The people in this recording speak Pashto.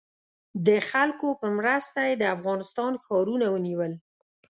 د خلکو په مرسته یې د افغانستان ښارونه ونیول.